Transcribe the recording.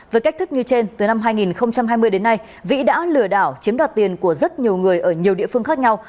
với cách thức như trên từ năm hai nghìn hai mươi đến nay vĩ đã lừa đảo chiếm đoạt tiền của rất nhiều người ở nhiều địa phương khác nhau